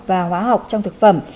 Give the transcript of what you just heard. và hóa học trong thực phẩm